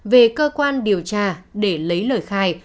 về cơ quan điều tra để lấy lời khai